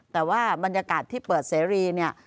แต่ว่าบรรยากาศที่เปิดเสรีเนี่ย